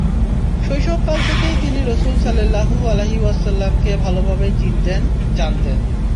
শৈশবকাল থেকেই তিনি রাসূল সাল্লাল্লাহু আলাইহি ওয়াসাল্লাম-কে ভাল ভাবেই চিনতেন-জানতেন।